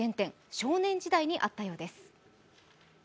少年時代にあったようです。